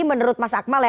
menurut mas akmal ya